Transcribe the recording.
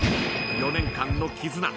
４年間の絆。